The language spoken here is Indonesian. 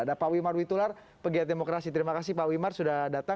ada pak wimar witular pegiat demokrasi terima kasih pak wimar sudah datang